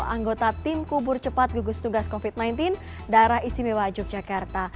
anggota tim kubur cepat gugus tugas covid sembilan belas daerah istimewa yogyakarta